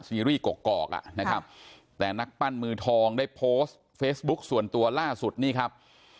ซีรีส์กอกอ่ะนะครับแต่นักปั้นมือทองได้โพสต์เฟซบุ๊คส่วนตัวล่าสุดนี่ครับ